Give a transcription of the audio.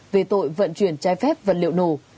về tội vận chuyển trái phép vật liệu nổ